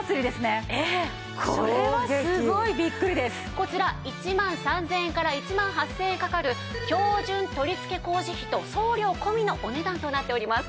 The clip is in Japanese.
こちら１万３０００円から１万８０００円かかる標準取付け工事費と送料込みのお値段となっております。